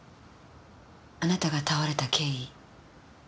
あなたが倒れた経緯。